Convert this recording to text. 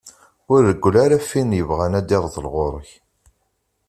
Ur reggel ara ɣef win yebɣan ad d-irḍel ɣur-k.